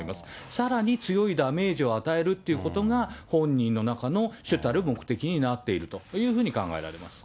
さらに強いダメージを与えるということが本人の中の主たる目的になっているというふうに考えられます。